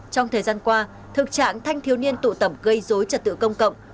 trong thời gian qua thực trạng thanh thiếu niên tụ tẩm gây dối trật tự công cộng